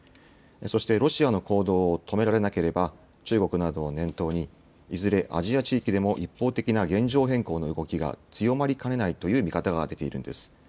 そしてロシアの行動を止められなければ、中国などを念頭に、いずれアジア地域でも、一方的な現状変更の動きが強まりかねないという見方が出ているんです。